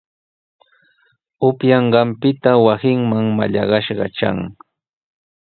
Upyanqanpita wasinman mallaqnashqa tran.